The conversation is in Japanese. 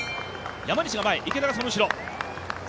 山西が前、池田がその後ろ。